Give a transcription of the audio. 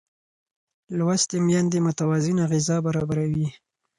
لوستې میندې متوازنه غذا برابروي.